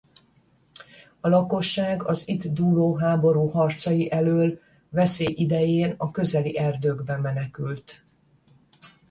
A lakosság az itt dúló háború harcai elől veszély idején a közeli erdőkbe menekült.